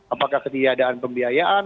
apakah ketiadaan pembiayaan